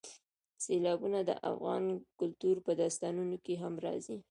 سیلابونه د افغان کلتور په داستانونو کې هم راځي.